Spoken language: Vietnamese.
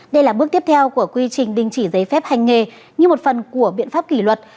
đây là bước tiếp theo của quy trình đình chỉ giấy phép hành nghề như một phần của biện pháp kỷ luật